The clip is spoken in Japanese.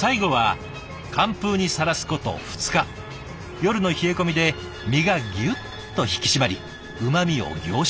夜の冷え込みで身がギュッと引き締まりうまみを凝縮。